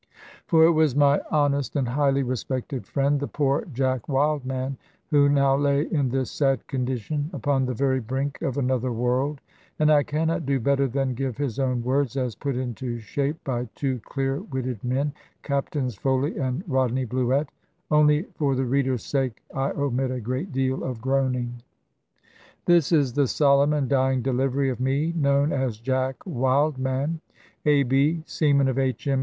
For it was my honest and highly respected friend, the poor Jack Wildman, who now lay in this sad condition, upon the very brink of another world. And I cannot do better than give his own words, as put into shape by two clear witted men, Captains Foley and Rodney Bluett. Only for the reader's sake I omit a great deal of groaning. "This is the solemn and dying delivery of me, known as 'Jack Wildman,' A.B. seaman of H.M.